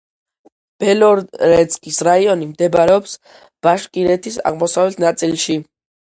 ბელორეცკის რაიონი მდებარეობს ბაშკირეთის აღმოსავლეთ ნაწილში.